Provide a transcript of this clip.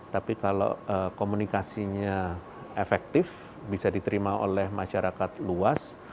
tapi kalau komunikasinya efektif bisa diterima oleh masyarakat luas